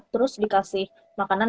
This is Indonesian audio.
terus dikasih makanan